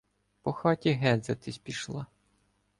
По хаті гедзатись пішла.